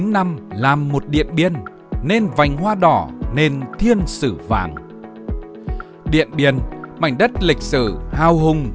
chín năm làm một điện biên nên vành hoa đỏ nên thiên sử vàng điện biên mảnh đất lịch sử hào hùng